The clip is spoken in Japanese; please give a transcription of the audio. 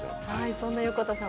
そんな横田さん